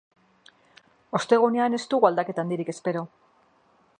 Ostegunean ez dugu aldaketa handirik espero.